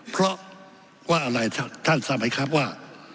เพราะว่าอะไรท่านทราบไหมครับว่า